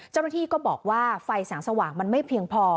เจ้าหน้าที่ก็บอกว่าไฟแสงสว่างมันไม่เพียงพอ